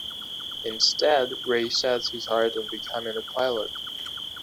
Instead, Ray sets his heart on becoming a pilot.